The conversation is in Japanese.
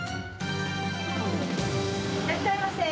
いらっしゃいませ。